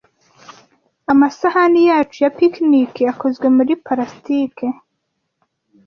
Amasahani yacu ya picnic akozwe muri plastiki.